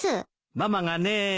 ママがね。